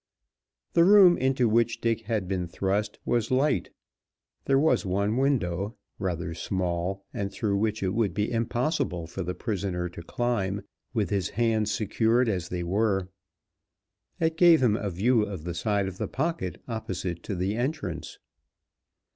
The room into which Dick had been thrust was light. There was one window, rather small and through which it would be impossible for the prisoner to climb with his hands secured as they were. It gave him a view of the side of the pocket opposite to the entrance.